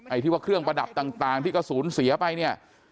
ที่ว่าเครื่องประดับต่างที่ก็สูญเสียไปเนี่ย